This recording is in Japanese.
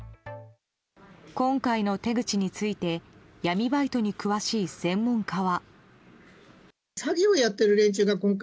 今回の手口について闇バイトに詳しい専門家は。